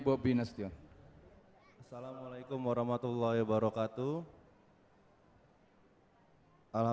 wassalamualaikum warahmatullahi wabarakatuh